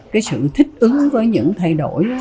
cái sự thích ứng với những thay đổi